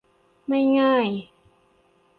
ไม่ง่าย